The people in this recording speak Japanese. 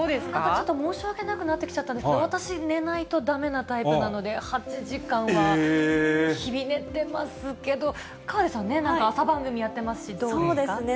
ちょっと申し訳なくなってきちゃったんですけど、私、寝ないとだめなタイプなので、８時間は日々、寝てますけど、河出さんね、朝番組やってますし、どうですか？